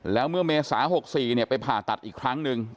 แล้วเมื่อเมษา๖๔ไปผ่าตัดอีกครั้งหนึ่ง